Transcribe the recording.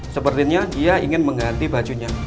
sepertinya dia ingin mengganti bajunya